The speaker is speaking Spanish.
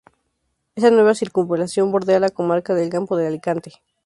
Esta nueva circunvalación bordea la comarca del Campo de Alicante.